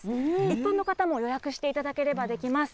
一般の方も予約していただければできます。